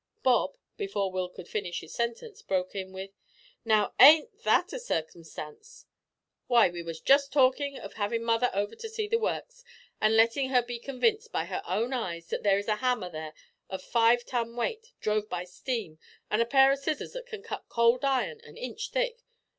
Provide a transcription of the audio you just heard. Bob, before Will could finish his sentence, broke in with "Now, ain't that a su'cumstance? w'y, we was just talkin' of havin' mother over to see the works, an' lettin' her be convinced by her own eyes that there is a hammer there of five ton weight, drove by steam, an' a pair o' scissors as can cut cold iron an inch thick.